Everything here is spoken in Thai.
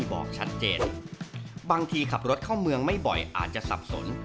บางทีขับรถเข้ามืองไม่บ่อยอาจจะสับสน